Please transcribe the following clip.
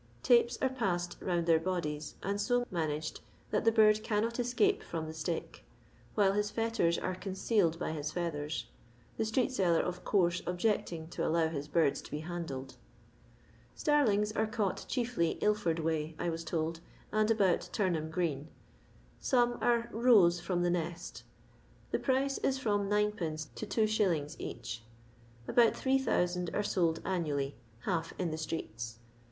Tapes are pessed round their bodies^ and so managed that the bird cannot eecape firon the stick, while his fetters are concealed by his feathers, the street seller of course objecting to allow his birds to be handled. Starlings are caught chiefly Ilford way, I was told, and about Turnham green. Some are "rose" from the nest The price is from 9(i. to 2s. each. About 3000 are sold annually, half in the streets.